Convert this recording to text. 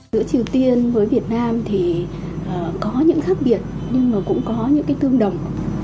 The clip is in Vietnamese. giữa triều tiên với việt nam thì có những khác biệt nhưng mà cũng có những cái tương đồng